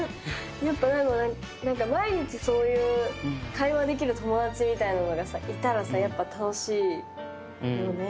やっぱ毎日そういう会話できる友だちみたいなのがいたらさやっぱ楽しいよね。